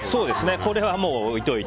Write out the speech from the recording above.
これはもう置いといて。